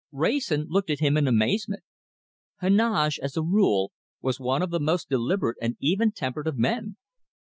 Wrayson looked at him in amazement. Heneage, as a rule, was one of the most deliberate and even tempered of men.